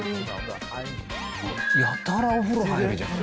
やたらお風呂入るじゃん。